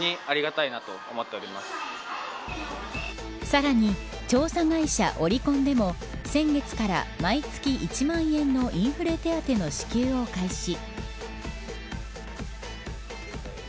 さらに、調査会社オリコンでも先月から、毎月１万円のインフレ手当の支給を開始。